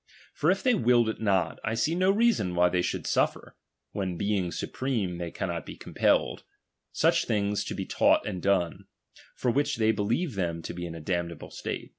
For if they willed it not, I see no reason why they should suffer (when being supreme they cannot be compelled) such things to be taught and done, for which they believe them to be in a damnable state.